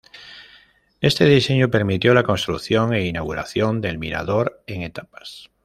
Este diseño permitió la construcción e inauguración del Mirador en etapas.